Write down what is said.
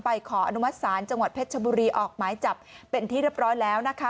ขออนุมัติศาลจังหวัดเพชรชบุรีออกหมายจับเป็นที่เรียบร้อยแล้วนะคะ